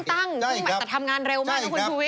อ๋อสารที่เพิ่งตั้งแต่ทำงานเร็วมากนะคุณฟูวิค